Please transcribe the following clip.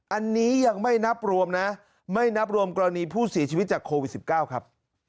อันนี้ยังไม่นับรวมนะไม่นับรวมกรณีผู้เสียชีวิตจากโควิด๑๙ครับ